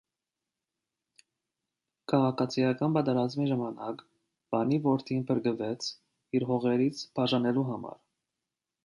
Քաղաքացիական պատերազմի ժամանակ պանի որդին փրկվեց՝ իր հողերից բաժանելու համար։